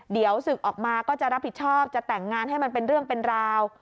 เดี๋ยวศึกออกมาก็จะรับผิดชอบจะแต่งงานให้มันเป็นเรื่องเป็นราว